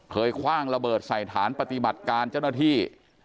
คว่างระเบิดใส่ฐานปฏิบัติการเจ้าหน้าที่